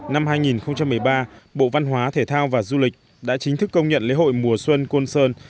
năm hai nghìn một mươi ba bộ văn hóa thể thao và du lịch đã chính thức công nhận lễ hội mùa xuân côn sơn